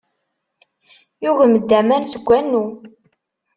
Yugem-d aman seg wanu.